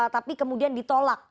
tapi kemudian ditolak